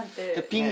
ピン